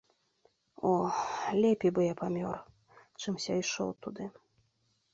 О, лепей бы я памёр, чымся ішоў туды.